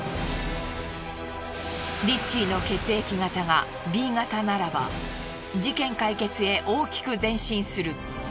リッチーの血液型がＢ型ならば事件解決へ大きく前進する。